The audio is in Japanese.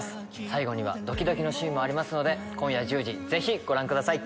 最後にはドキドキのシーンもありますので今夜１０時ぜひご覧ください。